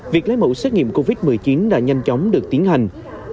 việc lấy mẫu xét nghiệm covid một mươi chín đã nhanh chóng được tiến hành